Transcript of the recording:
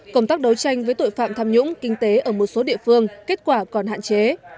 công tác đấu tranh với tội phạm tham nhũng kinh tế ở một số địa phương kết quả còn hạn chế